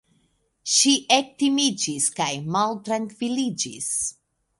Ŝi ektimiĝis kaj maltrankviliĝis.